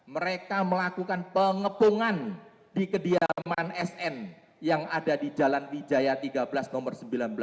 mereka melakukan pengepungan di kediaman sn yang ada di jalan wijaya tiga belas nomor sembilan belas